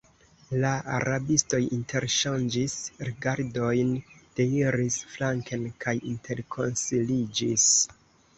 La rabistoj interŝanĝis rigardojn, deiris flanken kaj interkonsiliĝis.